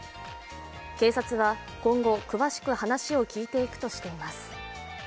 警察は今後、詳しく話を聞いていくとしています。